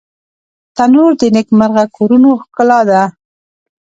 تنور د نیکمرغه کورونو ښکلا ده